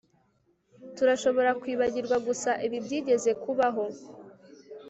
turashobora kwibagirwa gusa ibi byigeze kubaho